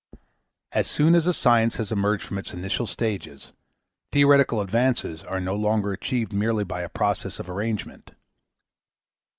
As soon as a science has emerged from its initial stages, theoretical advances are no longer achieved merely by a process of arrangement.